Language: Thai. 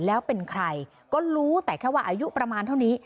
แล้วเป็นใครก็รู้แต่แค่ว่าอายุประมาณเท่านี้